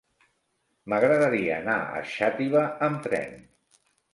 M'agradaria anar a Xàtiva amb tren.